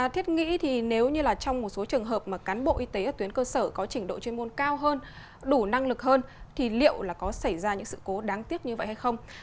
thiết nghĩ thì nếu như trong một số trường hợp mà cán bộ y tế ở tuyến cơ sở có trình độ chuyên môn cao hơn đủ năng lực hơn thì liệu là có xảy ra những sự cố đáng tiếc như vậy hay không